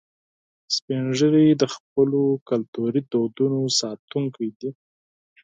سپین ږیری د خپلو کلتوري دودونو ساتونکي دي